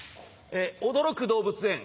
驚く動物園。